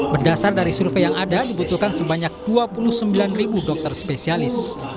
berdasar dari survei yang ada dibutuhkan sebanyak dua puluh sembilan dokter spesialis